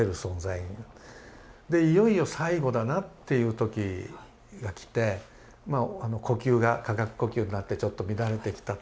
でいよいよ最期だなっていう時がきてまあ呼吸が下顎呼吸になってちょっと乱れてきたと。